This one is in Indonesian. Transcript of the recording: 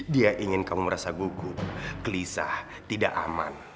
dia ingin kamu merasa gugup gelisah tidak aman